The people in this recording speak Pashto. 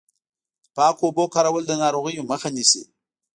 د پاکو اوبو کارول د ناروغیو مخه نیسي.